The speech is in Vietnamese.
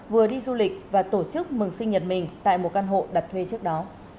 vừa đi du lịch và tổ chức mừng sinh nhật mình tại một căn hộ đặt thuê trước đó